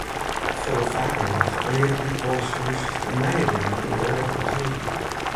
Folle faker noch lear ik lykwols just nije dingen oer oare kultueren.